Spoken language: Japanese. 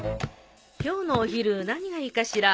今日のお昼何がいいかしら？